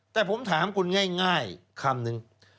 แต่ผมถามคุณง่ายคำนึง